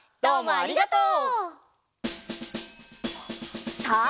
ありがとう。